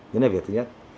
đó là việc thứ nhất